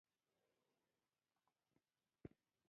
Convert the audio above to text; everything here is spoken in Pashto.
تعامل څه ته وايي.